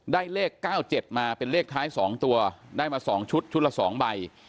เลข๙๗มาเป็นเลขท้าย๒ตัวได้มา๒ชุดชุดละ๒ใบ